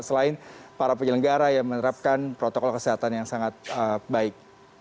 selain para penyelenggara yang menerapkan protokol kesehatan yang sangat baik